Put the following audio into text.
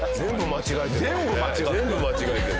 全部間違えてる。